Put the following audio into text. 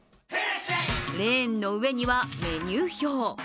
レーンの上にはメニュー表。